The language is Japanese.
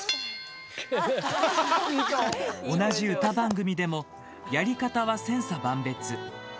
同じ歌番組でもやり方は千差万別。